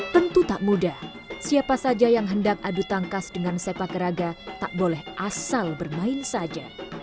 tentu tak mudah siapa saja yang hendak adu tangkas dengan sepak raga tak boleh asal bermain saja